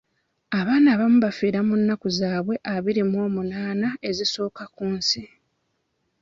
Abaana abamu bafiira mu nnaku zaabwe abiri mu omunaana ezisooka ku nsi.